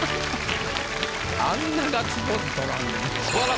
あんなガッツポーズとらんでも。